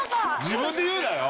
自分で言うなよ。